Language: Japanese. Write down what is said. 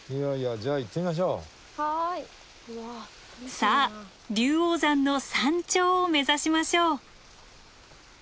さあ龍王山の山頂を目指しましょう。